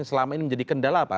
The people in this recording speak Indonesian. selama ini menjadi kendala apa